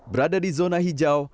berada di zona hijau